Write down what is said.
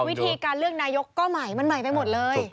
วิธีการเลือกนายกก็ใหม่มันใหม่ไปหมดเลย